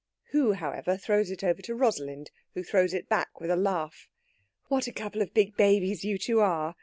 Who, however, throws it over to Rosalind, who throws it back with a laugh. "What a couple of big babies you two are!"